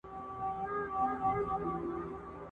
لمر له ښاره کوچېدلی !.